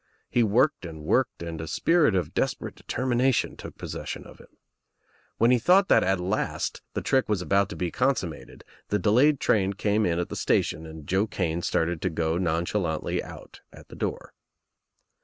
He worked and worked and a spirit of des perate determination took possession of him. When he thought that at last the trick was about to be iconsummated the delayed train came in at the station 62 THE TRIUMPH OF THE EGG and Joe Kane started to go nonchalantly out at the door.